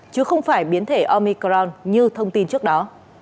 chứ không phải biến thể omicron như thông tin trước đó